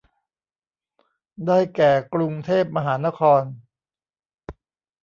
ได้แก่กรุงเทพมหานคร